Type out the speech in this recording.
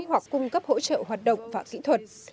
hoặc cung cấp hỗ trợ hoạt động và kỹ thuật